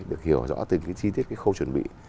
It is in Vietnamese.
được hiểu rõ từng chi tiết khâu chuẩn bị